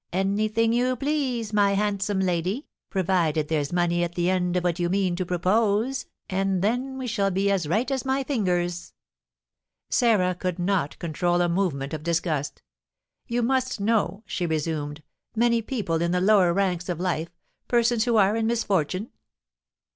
"Anything you please, my handsome lady, provided there's money at the end of what you mean to propose, and then we shall be as right as my fingers." Sarah could not control a movement of disgust. "You must know," she resumed, "many people in the lower ranks of life, persons who are in misfortune?"